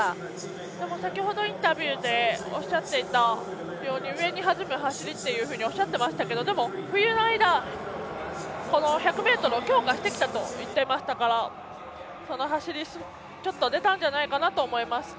先ほどインタビューでおっしゃっていたように上にはじく走りとおっしゃっていましたがでも、冬の間１００ｍを強化してきたと言っていましたから、その走りちょっと出たんじゃないかなと思います。